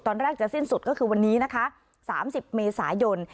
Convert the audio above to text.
ตอนแรกจะสิ้นสุดก็คือวันนี้นะคะ๓๐เมษายน